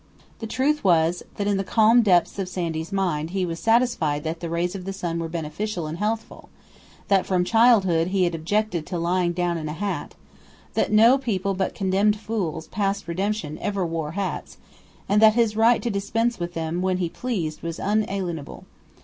The truth was, that in the calm depths of Sandy's mind he was satisfied that the rays of the sun were beneficial and healthful; that from childhood he had objected to lying down in a hat; that no people but condemned fools, past redemption, ever wore hats; and that his right to dispense with them when he pleased was inalienable.